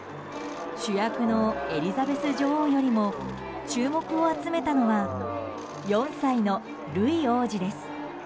主役のエリザベス女王よりも注目を集めたのは４歳のルイ王子です。